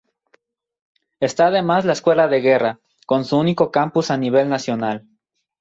Está además la Escuela de Guerra, con su único campus a nivel nacional.